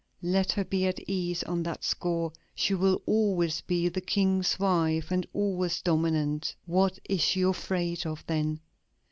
Let her be at ease on that score; she will always be the King's wife and always dominant. What is she afraid of, then?